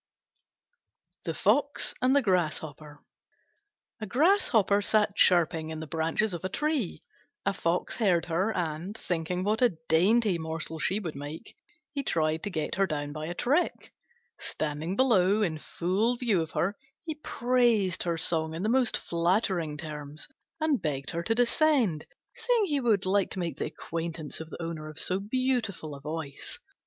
THE FOX AND THE GRASSHOPPER A Grasshopper sat chirping in the branches of a tree. A Fox heard her, and, thinking what a dainty morsel she would make, he tried to get her down by a trick. Standing below in full view of her, he praised her song in the most flattering terms, and begged her to descend, saying he would like to make the acquaintance of the owner of so beautiful a voice.